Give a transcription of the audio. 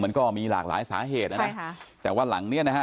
มันก็มีหลากหลายสาเหตุนะนะแต่ว่าหลังเนี้ยนะฮะ